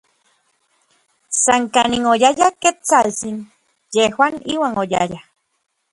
San kanin oyaya Ketsaltsin, yejuan iuan oyayaj.